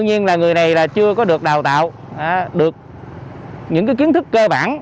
người này chưa có được đào tạo được những kiến thức cơ bản